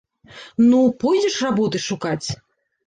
Ну, пойдзеш работы шукаць?